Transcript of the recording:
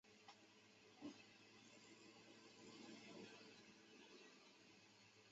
雷诺位于内华达州首府卡森城接壤。